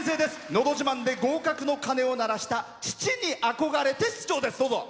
「のど自慢」で合格の鐘を鳴らした父に憧れて出場です。